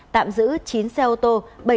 tạm giữ chín xe ô tô